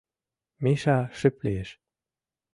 Миша шып лиеш.